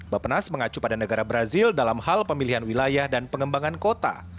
bapenas mengacu pada negara brazil dalam hal pemilihan wilayah dan pengembangan kota